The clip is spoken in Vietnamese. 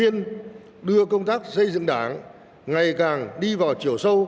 sau trung quốc